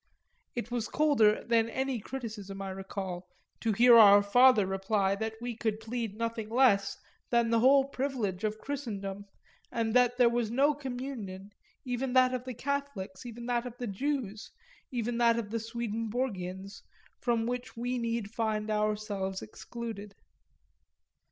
It was colder than any criticism, I recall, to hear our father reply that we could plead nothing less than the whole privilege of Christendom and that there was no communion, even that of the Catholics, even that of the Jews, even that of the Swedenborgians, from which we need find ourselves excluded.